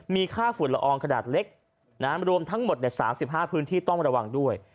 มีค่าฝุ่นละอองขนาดเล็กรวมทั้งหมด๓๕พื้นที่ต้องระวังด้วย